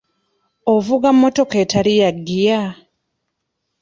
Ovuga mmotoka ettali ya ggiya?